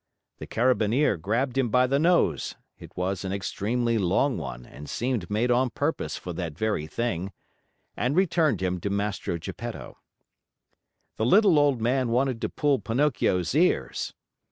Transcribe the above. The Carabineer grabbed him by the nose (it was an extremely long one and seemed made on purpose for that very thing) and returned him to Mastro Geppetto. The little old man wanted to pull Pinocchio's ears.